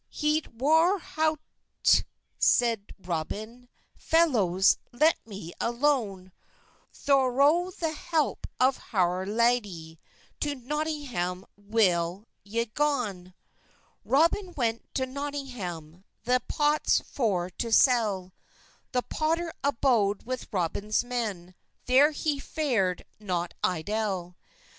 "Heyt war howte," seyde Roben, "Felowhes, let me alone; Thorow the helpe of howr ladey, To Notynggam well y gon." Robyn went to Notynggam, Thes pottes for to sell; The potter abode with Robens men, Ther he fered not eylle.